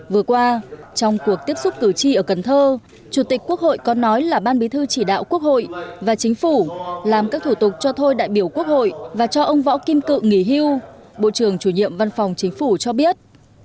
vừa qua trong cuộc tiếp xúc cử tri ở cần thơ chủ tịch quốc hội có nói là ban bí thư chỉ đạo quốc hội và chính phủ làm các thủ tục cho thôi đại biểu quốc hội và cho ông võ kim cự nghỉ hưu bộ trưởng chủ nhiệm văn phòng chính phủ cho biết